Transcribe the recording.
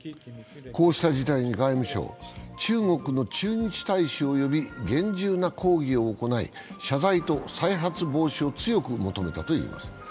こうした事態に外務省は中国の駐日大使を呼び厳重な抗議を行い、謝罪と再発防止を強く求めたといいます。